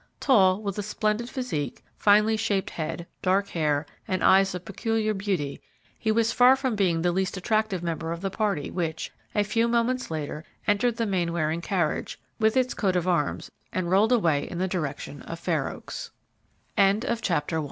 Tall, with a splendid physique, finely shaped head, dark hair, and eyes of peculiar beauty, he was far from being the least attractive member of the party which, a few moments later, entered the Mainwaring carriage, with its coat of arms, and rolled away in the direction of Fair Oaks. CHAPTER II FAIR OAKS